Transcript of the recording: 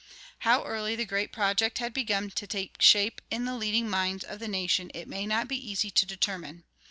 How early the great project had begun to take shape in the leading minds of the nation it may not be easy to determine.